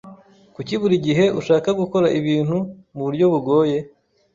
Kuki buri gihe ushaka gukora ibintu muburyo bugoye?